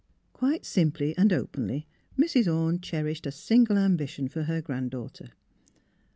Quite simply and openly Mrs. Orne cherished a single ambition for her grand daughter.